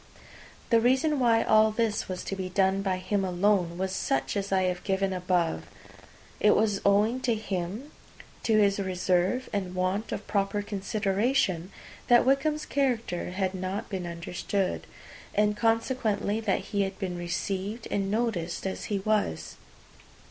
The reason why all this was to be done by him alone, was such as I have given above. It was owing to him, to his reserve and want of proper consideration, that Wickham's character had been so misunderstood, and consequently that he had been received and noticed as he was.